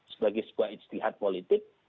sebagai sebuah istihad politik